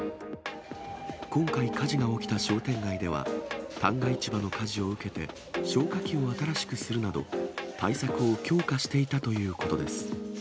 今回、火事が起きた商店街では、旦過市場の火事を受けて、消火器を新しくするなど、対策を強化していたということです。